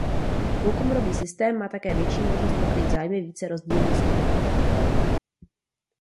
Dvoukomorový systém má také větší možnost pokrýt zájmy více rozdílných skupin obyvatel.